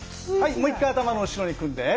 もう一回頭の後ろに組んで。